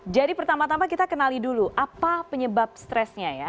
jadi pertama tama kita kenali dulu apa penyebab stresnya ya